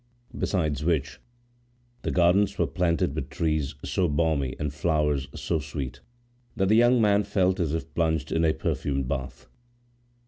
Besides which, the gardens were planted with trees so balmy and flowers so sweet, that the young man felt as if plunged in a perfumed bath.